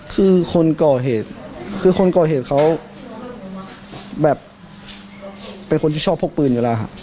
คือคนก่อเหตุคือคนก่อเหตุเขาแบบเป็นคนที่ชอบพกปืนอยู่แล้วครับ